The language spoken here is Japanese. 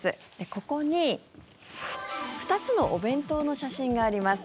ここに２つのお弁当の写真があります。